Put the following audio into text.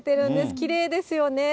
きれいですよね。